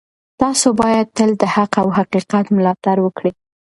تاسو باید تل د حق او حقیقت ملاتړ وکړئ.